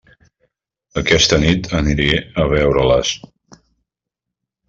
Aquesta nit aniré a veure-les.